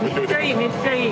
めっちゃいい。